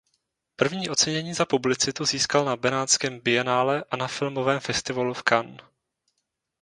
První ocenění za publicitu získal na benátském bienále a na filmovém festivalu v Cannes.